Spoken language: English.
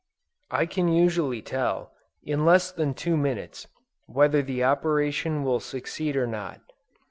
I can usually tell, in less than two minutes, whether the operation will succeed or not.